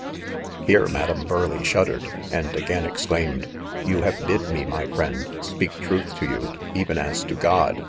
"Here Madame Burleigh shuddered, and again exclaimed :— 6 You have bid me, my friend, speak truth to you, even as to God